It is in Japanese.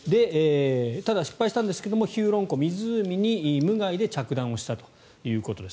ただ、失敗したんですがヒューロン湖に無害で着弾をしたということです。